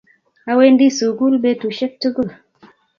Awendi sukul petushek tukul